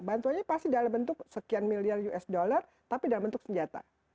bantuannya pasti dalam bentuk sekian miliar usd tapi dalam bentuk senjata